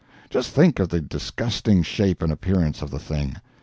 Just think of the disgusting shape and appearance of the thing.